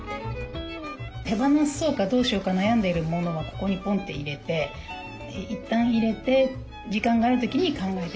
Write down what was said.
手放そうかどうしようか悩んでいるモノはここにポンって入れていったん入れて時間がある時に考えてます。